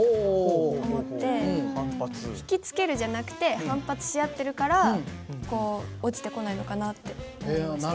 引き付けるじゃなくて反発し合ってるからこう落ちてこないのかなって思いました。